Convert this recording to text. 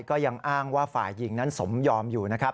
ก็ยังอ้างว่าฝ่ายหญิงนั้นสมยอมอยู่นะครับ